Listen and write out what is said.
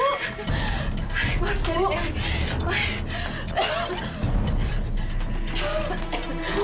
ibu harus cari dewi